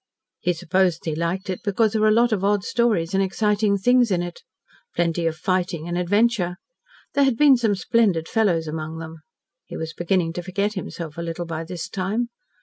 He supposed he liked it because there were a lot of odd stories and exciting things in it. Plenty of fighting and adventure. There had been some splendid fellows among them. (He was beginning to forget himself a little by this time.)